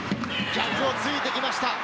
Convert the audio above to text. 逆を突いてきました！